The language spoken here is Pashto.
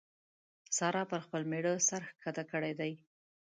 سارا پر خپل مېړه سر کښته کړی دی.